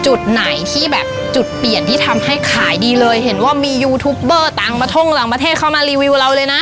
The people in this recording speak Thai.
จุดไหนที่แบบจุดเปลี่ยนที่ทำให้ขายดีเลยเห็นว่ามียูทูปเบอร์ต่างมาท่งหลังประเทศเข้ามารีวิวเราเลยนะ